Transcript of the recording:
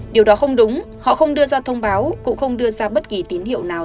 điều đó không đúng họ không đưa ra thông báo cũng không đưa ra bất kỳ tín hiệu nào